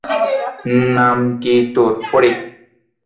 নাম কি তোর?